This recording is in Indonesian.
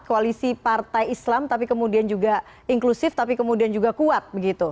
koalisi partai islam tapi kemudian juga inklusif tapi kemudian juga kuat begitu